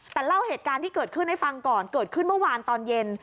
แต่เล่าเหตุการณ์ที่เกิดขึ้นให้ฟังก่อนเกิดขึ้นเมื่อวานตอนเย็น